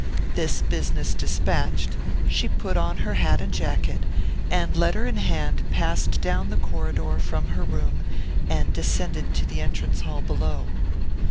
This business despatched, she put on her hat and jacket, and letter in hand passed down the corridor from her room, and descended to the entrance hall below.